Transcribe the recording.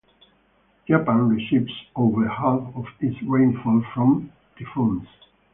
Japan receives over half of its rainfall from typhoons.